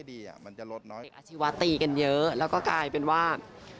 เด็กอาชีวะตีกันเยอะแล้วก็กลายเป็นว่า